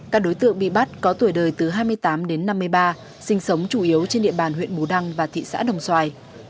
các đối tượng bị bắt có tuổi đời từ hai mươi tám đến năm mươi ba sinh sống chủ yếu trên địa bàn huyện bù đăng và thị xã đồng xoài